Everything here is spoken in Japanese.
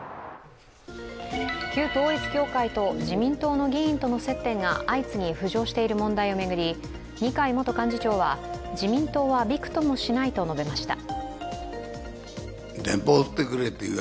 旧統一教会と自民党の議員との接点が相次ぎ浮上している問題を巡り二階元幹事長は自民党はびくともしないと述べました。